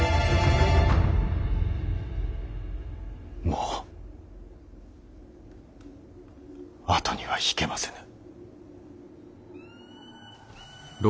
もう後には引けませぬ。